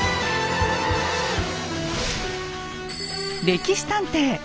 「歴史探偵」。